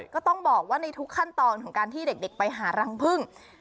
ก็ต้องบอกว่าในทุกขั้นตอนของการที่เด็กไปหารังพึ่ง